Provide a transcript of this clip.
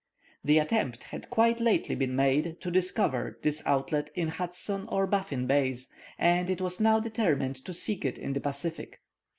The attempt had quite lately been made, to discover this outlet in Hudson or Baffin Bays, and it was now determined to seek it in the Pacific.